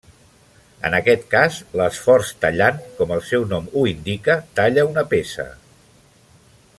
En aquest cas, l'esforç tallant, com el seu nom ho indica, talla una peça.